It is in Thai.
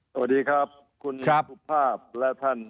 สวัสดีครับคุณสุภาพและท่าน